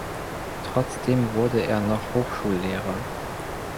Trotzdem wurde er noch Hochschullehrer.